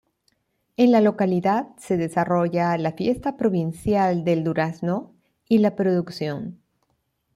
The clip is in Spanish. En la localidad se desarrolla la Fiesta Provincial del Durazno y la Producción.